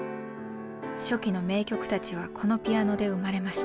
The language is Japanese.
初期の名曲たちはこのピアノで生まれました。